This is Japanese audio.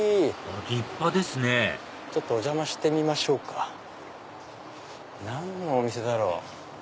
立派ですねちょっとお邪魔してみましょうか。何のお店だろう？